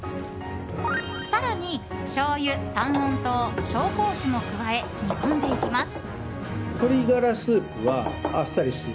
更に、しょうゆ、三温糖紹興酒も加え煮込んでいきます。